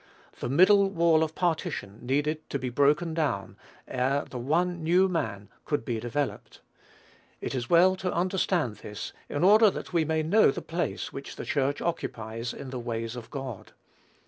"The middle wall of partition" needed to be broken down, ere the "one new man" could be developed. It is well to understand this in order that we may know the place which the Church occupies in the ways of God.